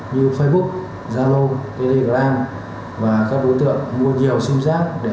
như facebook zalo telegram và các đối tượng mua nhiều sim giác để giao dịch